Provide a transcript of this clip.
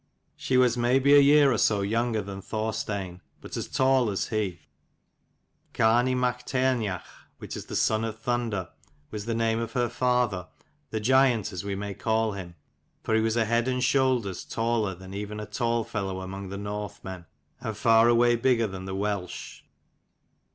She was maybe a year or so younger than Thorstein, but as tall as he. Gartnaidh mac Tairneach, which is the Son of Thunder, was the name of her father, the giant as we may call him, for he was a head and shoulders taller than even a tall fellow among the Northmen, and far away bigger than the Welsh.